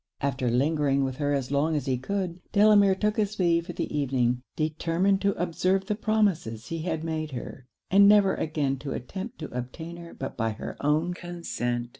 After lingering with her as long as he could, Delamere took his leave for the evening, determined to observe the promises he had made her, and never again to attempt to obtain her but by her own consent.